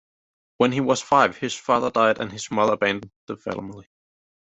When he was five, his father died, and his mother abandoned the family.